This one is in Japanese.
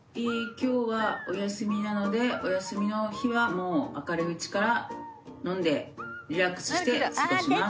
今日はお休みなのでお休みの日はもう明るいうちから飲んでリラックスして過ごします。